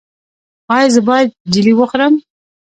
ایا زه باید جیلې وخورم؟